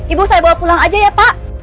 ibu saya bawa pulang aja ya pak